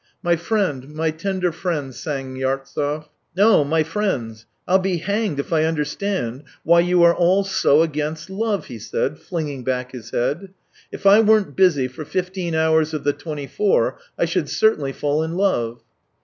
" My friend, my tender friend," sang Yartsev. " No, my friends, I'll be hanged if I understand why you are all so against love !" he said, flinging back his head. " If I weren't busy for fifteen hours of the twenty four, I should certainly fall in love."